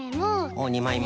おお２まいめ。